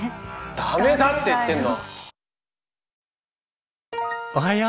駄目だって言ってんの！